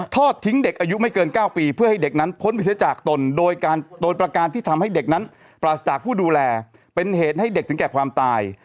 ทอดทิ้งเด็กอายุไม่เกิน๙ปีเพื่อให้เด็กนั้นพ้นไปเสียจากตนโดยการโดยประการที่ทำให้เด็กนั้นปราศจากผู้ดูแลเป็นเหตุให้เด็กถึงแก่ความตาย